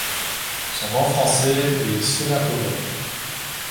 Son nom français est sphénacodon.